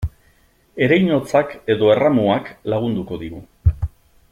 Ereinotzak edo erramuak lagunduko digu.